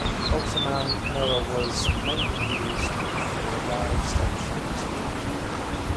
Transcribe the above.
Ultraman Noa was mainly used for live stage shows and merchandising.